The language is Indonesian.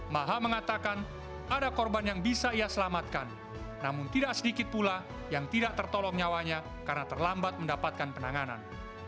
maha mengatakan ada korban yang bisa ia selamatkan namun tidak sedikit pula yang tidak tertolong nyawanya karena terlambat mendapatkan penanganan